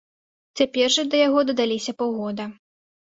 Цяпер жа да яго дадаліся паўгода.